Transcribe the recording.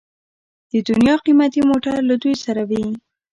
د دنیا قیمتي موټر له دوی سره وي.